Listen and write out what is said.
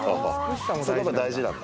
そこが大事なんだ？